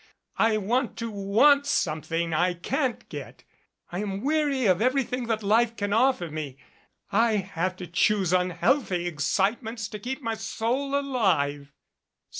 I want to want something I can't get. I am weary of everything that life can offer me. I have to choose unhealthy excitements 108 THE GATES OF CHANCE to keep my soul alive.